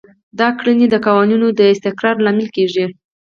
دا کړنې د قوانینو د استقرار لامل کیږي.